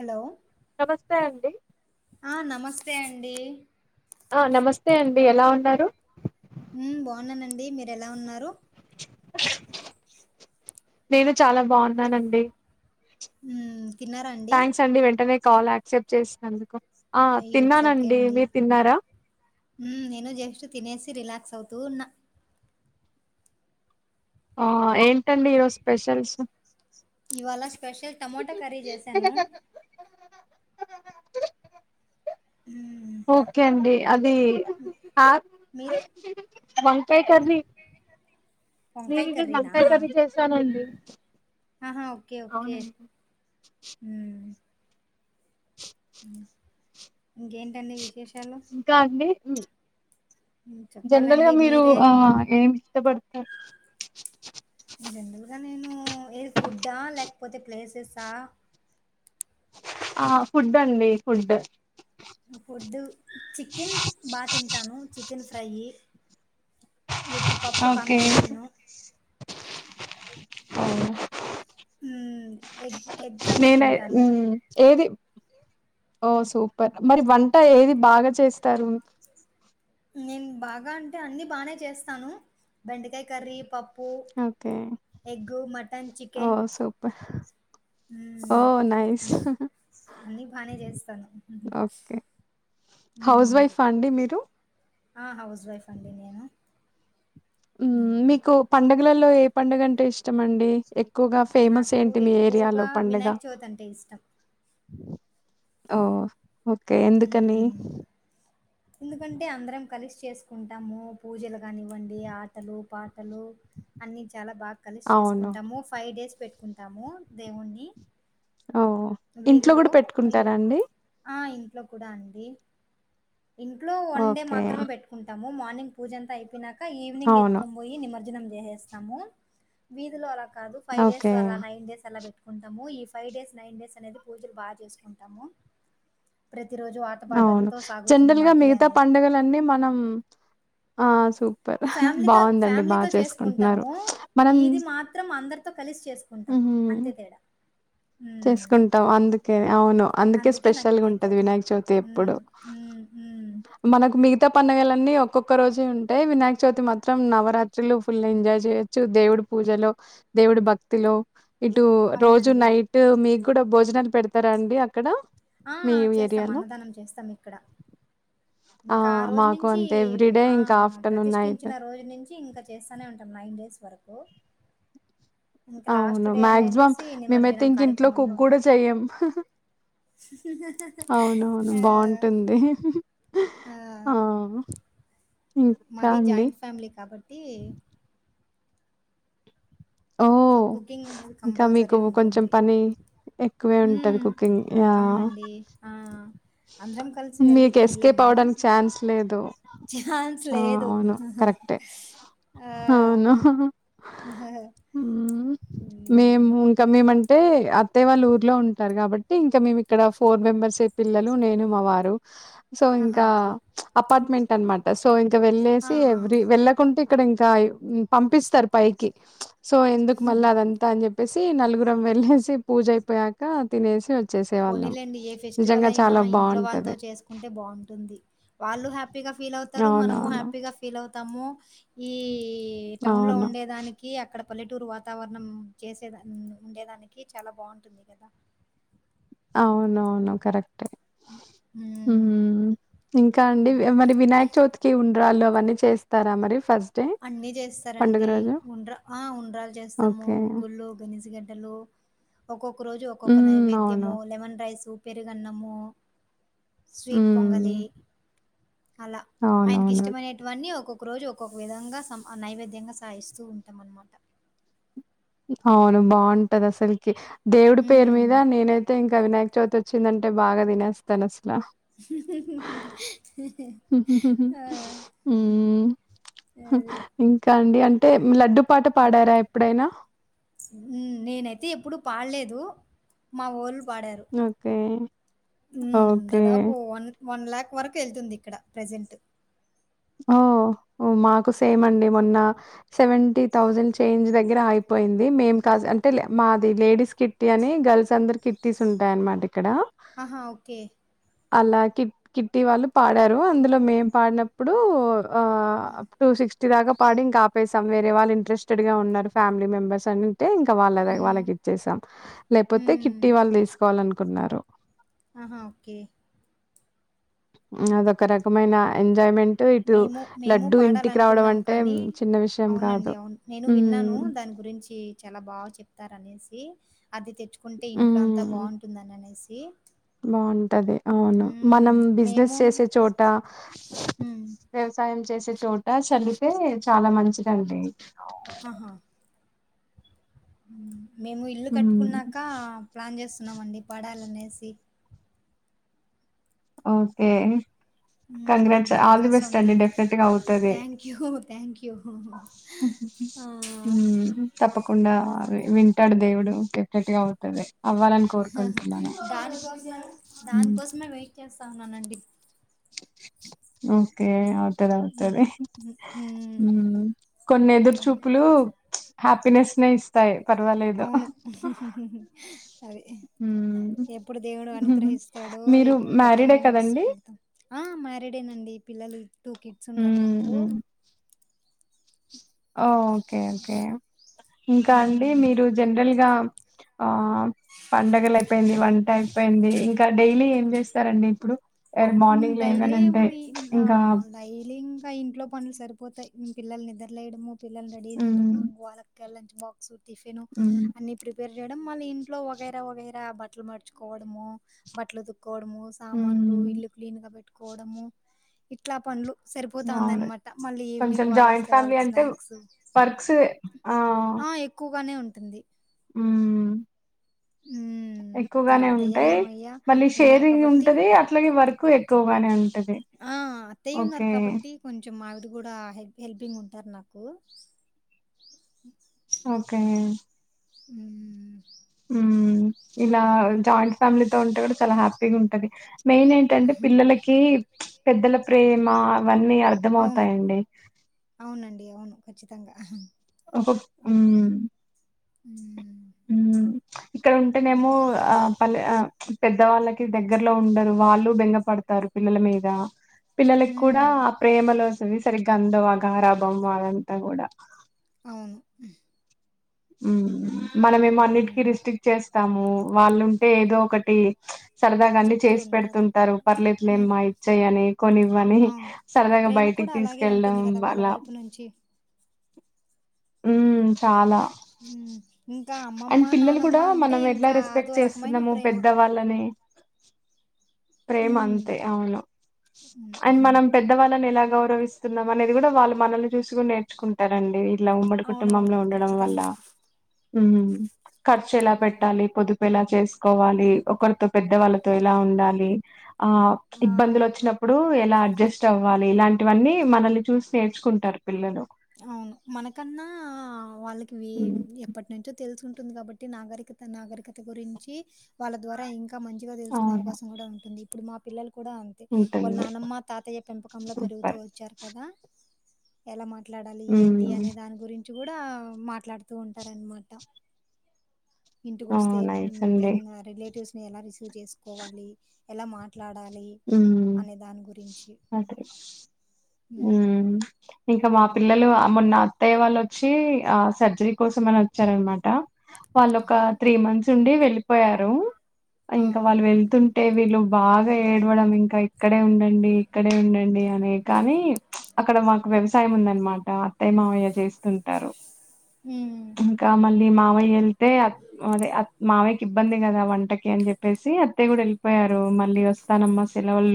Hello నమస్తే అండి ఆ నమస్తే అండి ఆ నమస్తే అండి ఎలా ఉన్నారు హుమ్ బాగున్నానండి మీరు ఎలా ఉన్నారు [inaudible] నేను చాలా బాగున్నానండి ఉ థ్యాంక్స్ అండి వెంటనే కాల్ యాక్సెప్ట్ చేసినందుకు ఆ అయ్యో ఇట్స్ ఓకే తిన్నానండి అండి మీరు తిన్నారా ఉమ్ నేను జస్ట్ తినేసి రిలాక్స్ అవుతూ ఉన్నా ఆ ఏంటండి ఈరోజ స్పెషల్స్ ఇవాళ స్పెషల్ టమోటా కర్రీ చేసాను ఉమ్ ఓకే అండి అది ఆ మీరు వంకాయి కర్రీ నేను వంకాయ ఈ రోజు కర్రీనా వంకాయి కర్రీ చేశానండి ఆహా ఓకే ఓకే అవునండి హుమ్ అ ఇంకేంటండీ విశేషం ఇంకా అండీ హు ఉమ్ జన్‌రల్ చెప్పాలండి గా మీరు మీరే ఆ ఏమి ఇష్టపడతారు ఇకా నేను ఏ ఫుడ్డా లేకపోతే ప్లేసెసా ఆ ఫుడ్ అండి ఫుడ్ ఫూడ్డు చికెన్ బా తింటాను చికెన్ ఫ్రైయి విత్ పప్పు ఓకే కాంబినేషను హ మ్మ్ ఎగ్ ఎగ్ కర్రీ నేను అయి తింటాను ఉమ్ ఏది ఓ సూపర్ మరి వంట ఏది బాగా చేస్తారు నేను బాగా అంటే అన్ని బాగానే చేస్తాను బెండకాయి కర్రీ పప్పు ఓకే ఎగ్ మటన్ ఓ చికెన్ సూపర్ ఓ మ్మ్ నైస్ అన్ని హుమ్ అన్ని బానే చేస్తాను ఓకే హౌస్ మ్మ్ వైఫ్ ఆ అండి మీరు ఆ హౌస్ హౌస్ వైఫ్ అండి నేను ఉమ్ మ్మ్ మీకు పండగ్ గాలల్లో ఏ పండుగ అంటే ఇష్టమండి ఎ నాకు ఎక్కువగా పండగ వినాయక్ చవితి అంటే ఇష్టం ఓ ఓకే ఎందుకని మ్మ్ ఎందుకంటే అందరం కలిసి చేసుకుంటాము పూజలు కానివ్వండి ఆటలు పాటలు అన్ని చె చాలా బాగా కలిసి అవును చేసుకుంటాము ఫైవ్ డేస్ పెట్ కుంటాము దేవుణ్ణి ఓ ఇంట్లో వీధిలో కూడా ఇ పెట్టుకుంటారా అండి అ ఇ ట్లో కూడా అండి ఇంట్లో వన్ డే ఓకే మాత్రమే పెట్టుకుంటాం మార్నింగ్ పూజ అంత అయిపోయినాక ఈవినింగ్ అవును ఎత్కొంపోయి నిమజ్జం చేసేస్తాము వీధిలో అలా కాదు ఫై డేస్ ఓకే అలా నైన్ డేస్ అలా పెట్ కుంటము ఈ ఫైవ్ డేస్ నైన్ డేస్ అనేది పూజలు బాగా చేసుకుంటాము ప్ర తి రోజు ఆటబపాటలతో సాగు గా మిగతా పండుగలన్నీ మనం ఆ! సూపర్ ఫ్యామిలీతో బాగుందండి ఫ్యామిలీతో బాగా చేసుకుంటున్నారు చేసుకుంటాము. మనం ఇది మాత్రం అందరితో కలిసి చేసుకుంటాం. ఉహు అంతే తేడా. హ్మ్. చేసుకుంటాం అందుకే అవును అందుకే నాకు స్పెషల్ గా ఉంటది అంటే వినాయక చవితి ఎప్పుడు హ్మ్. హ్మ్. హ్మ్. మనకు మిగతా పండగలన్నీ ఒక్కొక్క రోజే ఉంటాయి వినాయక చవితి మాత్రం నవరాత్రిలు ఫుల్ ఎంజాయ్ చేయొచ్చు దేవుడి పూజలో దేవుడు భక్ లు ఇటు రోజు అవునండి. నైట్ మీక్ కూడా భోజనాలు పెడతారా అండి అక్కడ అ మీ చేస్తాం ఏరియాలో? అన్నదానం చేస్తాం ఇక్కడ ఇంకా ఆ రోజు మాకు నుంచి అంతే ఎవ్రీ డే అ ఇంకా ఆఫ్టర్‌నూన్, నైట్. ప్రతిష్ఠించిన రోజు నుంచి ఇంకా చేస్తనే ఉంటాం నైన్ డేస్ వరకు ఇంకా లాస్ట్ అవును డే అని మాక్సిమం అనేసి మేమయితే నిమజ్జనం ఇంక ఇంట్లో కార్యక్రమంలో కుక్ కూడా ఉంటాం. చెయ్యం అవునవును ఆ! బాగుంటుంది ఆ ఇంకా మాది అండి. జాయింట్ ఫ్యామిలీ కాబట్టి సో ఓహ్! కుకింగ్ అనేది ఇంకా మీకు కంపల్సరీ కొంచెం ఉంటుంది పని ఎక్కువే ఉం ఉంటది కుకింగ్. యాహ్! అవునండి ఆ అందరం కలిసి వెళ్ళి మీకు ఎస్కేప్ తినలేము అవ్వడానికి ఛాన్స్ లేదు. ఛాన్స్ ఆ లేదు అవును కరెక్టే ఆ అవును హ్మ్. మేము ఇంకా మేమంట అంటే అత్తయ్య వాళ్ళ ఊర్లో ఉంటారు కాబట్టి ఇంకా మేము ఇక్కడ ఫోర్ మెంబర్స్ అయితే పిల్లలు నేను మా వారు సో ఆహా! ఇంకా ఓకే. అపార్ట్మెంట్ అన్నమాట సో ఇంకా ఆ! వెళ్లేసి ఆ! ఎవ్రీ వెళ్ళకుంటే అక్కడ ఇంకా పంపిస్తారు పైకి సో ఎందుకు మళ్ళీ అదంతా అని చెప్పి ప్పేసి నలుగురం వెళ్లేసి పూజ అయిపోయాక తినేసి వచ్చ చేసే వాళ్ళం పోనీలెండి ఏ ఫెస్టివల్ అయినా ఇంట్లో వాళ్ళతో చేసుకుంటే బాగుంటుంది వాళ్ళు హ్యాపీగా ఫీల్ అవుతారు మనము అవునవును హ్యాపీగా ఫీల్ అవు తము ఈ ఈ టౌన్ లో అవును ఉండేదానికి అక్కడ పల్లెటూరు వాతావరణం చేసేద ఉండేదానికి చాలా బాగుంటుంది కదా అవునవును కరెక్ట్ ఊ ఇంకా అండి మరి వినాయక చవితికి ఉండ ఉండ్రాళ్ళు అవన్నీ చేస్తారా మరి ఫస్ట్ డే? అన్ని పండుగ చేస్తారండి రోజు? ఉండ్రా ఆ ఉండ్రాలు చేస్తాము ఓకే. గుగ్గులు గనిజగడ్ హలో ఒకొక్క ఒక రోజు ఒక్కొక్క హ్మ్. అవును. నైవేద్యము లెమన్ రైస్ పెరుగన్నము స్వీట్ పొంగలి హ్మ్. అలా ఆయనకి అవునవును. ఇష్టమైనటువన్నీ ఒకొ ఒక్కొక్క రోజు ఒక ఒక విధంగా స నైవేద్యంగా సాయిస్తూ ఉంటాం అన్నమాట అవును బాగుంటది అసలుకి దేవుడి పేరు హ్మ్. మీద నేనైతే ఇంకా వినాయక్ చవితి వచ్చిందంటే బాగా తినేస్తాను ఆ! హ్మ్. అది. ఇంకా అండి అంటే అంటే లడ్డూ పాట పాడారా ఎప్పుడైనా హ్మ్. నేనైతే ఎప్పుడు పాడలేదు మావోల్లు ఓకే ఓకే వన్ లాక్ వరకు వెళ్తుంది ఇక్కడ ప్రజెంట్ ఓ మాకు సేమ్ అండి మొన్న సెవెంటీ థౌజండ్ చేంజ్ దగ్గర అయిపోయింది మేం కా అంటే మాది లేడీస్ కిట్టీ అని గర్ల్స్ అందరు కిట్టీస్ ఉంటాయ అనమాట ఇక్కడ ఆహా ఓకే అలా కిట్ కిట్టి వాళ్ళు పాడారు అందులో మేం పాడిన ఇప్పుడు ఆ ఆ! టూ సిక్స్టీ దాకా పాడి ఇంకా ఆపేసాం వేరే వాళ్ళ ఇంట్రస్టెడ్ గా ఉన్నారు ఫ్యామిలీ మెంబెర్స్ అని ఇంకా వాళ్ళ హ్మ్ వాళ్ళకి ఇచ్చేసాం లేపోతే హ్మ్ కిట్టి వాళ్ళ తీసుకోవాలన కున్నారు ఆహా ఓకే అదొక రకమైన ఎంజాయ్మెంట్ మేము మేము పాడాలనుకున్నాం అంటే కానీ చిన్న విషయం అవునండి కాదు. అవును నేను విన్నాను హ్మ్. దాని గురించి చాలా బాగా చెప్తార అన్నా దేసి అదితేచు కుంటే ఇంట్లో అంతా బాగుంటుందని అనేసి డి బాగుం తుంటది అవ్ను మనం బైయుసిన్నెస్ మేము చేసే చోట హ్మ్. వ్యవసాయం చేసే చోట చలితే చాలా మంచిదండి ఆహా [inaudible] మేము ఇల్లు హ్మ్. కట్టుకున్నాక ప్లాన్ చేస్తాం స్తున్నామండి పడాలనేసి ఓకే హ్మ్. కంగ్రాటస్ ఆల్ ఇంకా ది బెస్ట్ అండి సొంతింటి డెఫినెట్ గా అవుతుంది కే హ హ హ తప్పకుండా వింటాడుదు దేవుడు కక్కటిగా అవుతుది దానికోసం హ్మ్. దానికోసమే వెయిట్ చేస్తా ఉన్నానండి ఓకే అ అ అవుతది ఉమ్ హ కొన్ని ఎదురు చూపులు హ్యాపీనెస్ న ఇస్తాయి పర్వాలేదు. అవును అది హ్మ్. ఎప్పుడు దేవుడు హుహుహు. అనుగ్రహిస్తాడో మీరు ఎప్పుడు కొత్త మ్యారీడే న్యూ హౌస్ కదండి కడతాం ఆ మ్యారేడేనాండి పిల్లలు టూ కిడ్స్ ఉన్నారు నాకు ఓ ఓకే ఓకే ఇంకా అండి ఉమ్ మీరు జనరల్ గా ఆ పండగలు అయిపోయింది వంట అయిపోయింది ఇంకా డైలీ ఏం చేస్తారండి ఇప్పుడు ఎర్ ఇన్ మార్నింగ్ డైలీ లేవనంటే ఏముంది ఇంగా ఇంకా డైలీ ఇంకా ఇంట్లో పనులు సరిపోతయి పిల్లలు నిద్రలేయడము పిల్లలని రెడీ మ్మ్ చేయడము వాళ్ళక్ గా లంచ్ బాక్స్ టిఫిను మ్మ్ అన్నీ ప్రిపేర్ చేయడం ఇంట్లో వగేరా వగేరా బట్టలు మడుచుకోవడము బట్టలు ఉతు కోవడము సామాన్లు మ్మ్ ఇల్లు ఇంకా పెట్టుకోవడము ఇట్లా పన్లు సరిపోతా అవును ఉందానమాట మళ్ళీ ఈవినింగ్ కొంచెం వాళ్ళు జాయింట్ వస్తే వాళ్ళ ఫ్యామిలీ కు అంటే స్నాక్స్ వర్క్స్ ఆ ఆ ఎక్కువ ఎక్కువనే ఉంటుంది ఉమ్ హ్మ్ ఇంగ ఎక్కువగానే అత్తయ్య ఉంటయి మామయ్య మళ్ళీ ఉన్నారు షేరింగ్ కాబట్టి ఉంటంది అట్లాగే వర్క్ ఎక్కువగానే ఉంటది ఆ ఓకే కూడ హెల్పింగ్ ఉంటది నాకు ఓకే ఉమ్ మ్మ్ ఇలా జాయింట్ ఫ్యామిలీ తో ఉంటే కూడ చాలా హ్యా హ్యాపీ గుంటది మెయిన్ ఏంటంటే ఉహుం. పిల్లలకి పెద్దల ప్రేమా వన్నీ అవును అర్థంమవుతాయండి తంగా ఓవ్ మ్ మ్మ్ ఉమ్ ఇక్కడ ఉంటేనేమో ఆ పలె ఆ పెద్ద వాళ్ళకి దగ్గరలో ఉండరు వాళ్ళు బెంగ పడతారు పిల్లల మీద పిల్లలకి కూడ హ్మ్ ఆ ప్రేమలో ఏవి సరిగ్గా అందవ్ అ గారాబం అదంతా గూడ అవును మ్మ్ మనమేమె అన్నిటికిీ హ్మ్ రిస్ట్రిక్ట్ చేస్తాము వాళ్ళు ఉంటే ఏదో ఒకటి సరదాగా అన్ని చెప్తూ చేసి ఉంటారు పెడుతుంటారు హ్మ్ పర్లేెదులేమ్మా ఇచ్చేయి అని కొనివ్వని అవును సరదాగా ప్రేమ బయటికి కూడా అలాగే తీసుకెళ్ళడం ఉంటుంది కదా వాళ్ళ వల వైపు నుంచి ఉమ్ చాలా హ్మ్ ఇంకా అమ్మమ్మ అండ్ పిల్లలు నానమ్మ కూడా అంటే మనం ఎట్లా ఇంకా అదో రెస్పెక్ట్ రకమైన చేస్తున్నాము ప్రేమ పెద్ద వాళ్ళని ప్రేమ హ్మ్ అంతే అవును అవును అండ్ మనం పెద్దవాళ్ళని ఎలాగ గౌరవిస్తున్నాం అనేది కూడా వాళ్ళు మనల్ని చూసి కూడా నేర్చుకుంటారండి ఇలా ఉమ్మడి అవునవును కుటుంబంలో ఉండడం వల్ల ఖచ్చితంగా ఉమ్ ఖర్చు ఎలా ఉమ్. పెట్టాలి పొదుపు ఎలా చేసుకోవాలి ఒకరితో పెద్దవాళ్ళతో ఎలా ఉండాలి ఇ ఆ ఆ ఇబ్బందులు వచ్చినప్పుడు ఎలా అడ్జస్ట్ అవు వాళ్లు ఇలాంటివన్నీ మనల్ని చూసి నేర్చుకుంటారు పిల్లలు అవును మనకన్నా వాళ్ళకి హ్మ్ ఎప్పటి నుంచో తెలుసు ఉంటుంది కాబట్టి నాగరికత నాగరికత గురించి వాళ్ళ ద్వారా ఇంకా ఇంకా మంచిగా తెలుసుకునే అవును అవకాశం కూడా ఉంటుంది ఇప్పుడు మా పిల్లలు కూడా అంతే వాళ్ళు ఉంటుంది నానమ్మ తాతయ్య పెంపకంలో పెరుగుతూ సూపర్ వచ్చారు కదా ఎలా మా ట్లాడాలి ఏంటి హ్మ్ అనే దాని గురించి కూడా మాట్లాడుతూ ఉంటారనమాట ఓ ఇంటికొస్తే నైస్ అండి వెన్ రిలేటివ్స్ ఎలా రిసీవ్ చేసుకోవాలి, ఎలా మా ఉమ్ ఓకే ఉమ్ ఇంకా మాపి పిల్లలు అ మొన్న అత్తయ్య వాళ్ళొచ్చి ఆ సర్జరీ కోసమని వచ్చారనమాట వాళ్ళు ఒక ఆహా త్రీ మంత్స్ ఉండి వెళ్ళిపోయారు ఆ ఇంకా వాళ్ళు వెళ్తుంట టే విల్లు బాగ ఏడవడం ఇంకా ఇక్కడే ఉండండి ఇక్కడే ఉండండి అనే కానీ అక్కడ మా వ్యవసాయం ఉందనమాట ఏ మావయ చేస్ ఉంటారు ఉమ్ ఇంకా మళ్ళీ మా మయన్ త్తయ్య అవి అప్ మావ కి ఇబ్బంది కదా వంటకి అని చెప్పేసి అత్తయ్య కూడా వెళ్ళిపోయారు మళ్ళీ వ మనమ్ మసీలోళ్ళు